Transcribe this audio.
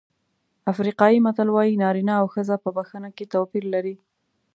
افریقایي متل وایي نارینه او ښځه په بښنه کې توپیر لري.